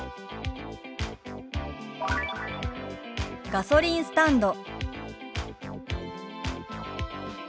「ガソリンスタンド」。